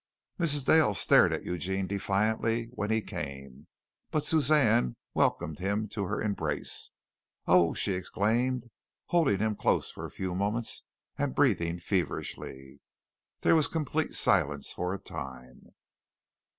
Mrs. Dale stared at Eugene defiantly when he came, but Suzanne welcomed him to her embrace. "Oh!" she exclaimed, holding him close for a few moments and breathing feverishly. There was complete silence for a time.